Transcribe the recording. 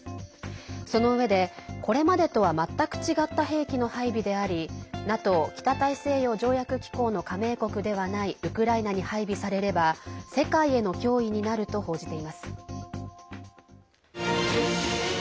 そのうえで、これまでとは全く違った兵器の配備でありＮＡＴＯ＝北大西洋条約機構の加盟国ではないウクライナに配備されれば世界への脅威になると報じています。